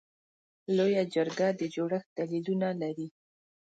لویه جرګه د جوړښت دلیلونه لري.